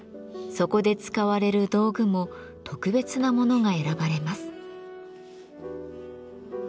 そこで使われる道具も特別なものが選ばれます。